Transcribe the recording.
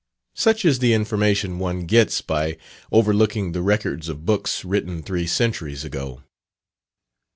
Such is the information one gets by looking over the records of books written three centuries ago.